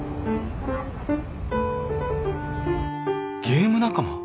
ゲーム仲間？